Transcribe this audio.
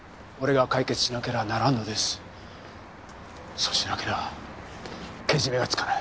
そうしなけりゃけじめがつかない。